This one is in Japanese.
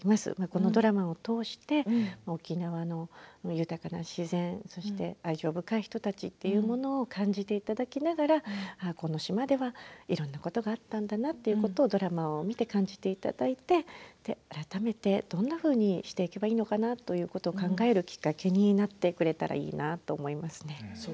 このドラマを通して沖縄の豊かな自然愛情深い人たちというものを感じていただきながらこの島では、いろんなことがあったんだなということをドラマを見て感じていただいて改めてどんなふうにしていけばいいのかなと考えるきっかけになってくれたらいいのかなと思います。